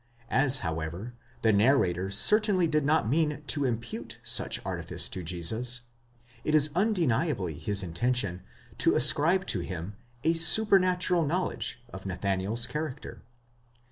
As, however, the narrator certainly did not mean to impute such artifice to Jesus, it is undeniably his intention to ascribe to him a supernatural knowledge of Nathanael's character.